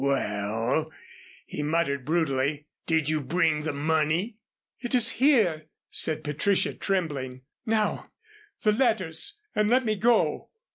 Well," he muttered brutally, "did you bring the money?" "It is here," said Patricia, trembling. "Now the letters and let me go."